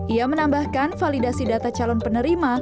ia menambahkan validasi data calon penerima